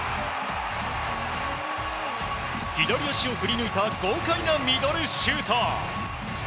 左足を振り抜いた豪快なミドルシュート！